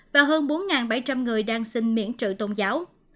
và hơn bốn bảy trăm linh người đang sinh miễn trự tôn giáo